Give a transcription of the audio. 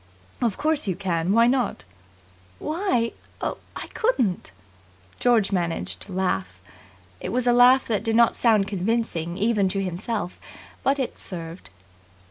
"Of course you can. Why not?" "Why oh, I couldn't!" George managed to laugh. It was a laugh that did not sound convincing even to himself, but it served.